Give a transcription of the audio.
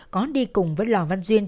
có đi cùng với lò văn duyên